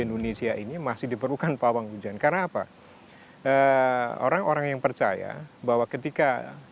indonesia ini masih diperlukan pawang hujan karena apa orang orang yang percaya bahwa ketika